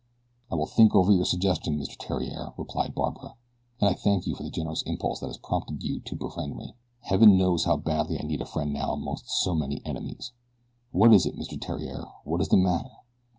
"I will think over your suggestion, Mr. Theriere," replied Barbara, "and I thank you for the generous impulse that has prompted you to befriend me heaven knows how badly I need a friend now among so many enemies. What is it, Mr. Theriere? What is the matter?"